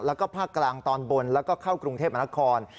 แล้วก็ภาคกลางตอนบนแล้วก็เข้ากรุงเทพมนาคม